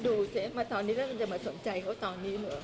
ดูเซตมาตอนนี้แล้วจะมาสนใจเขาตอนนี้หรือ